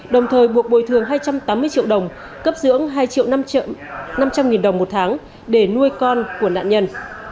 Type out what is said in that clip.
đồng thời buộc bồi thường hai trăm tám mươi triệu đồng cấp dưỡng hai triệu năm trăm linh nghìn đồng một tháng để nuôi con của nạn nhân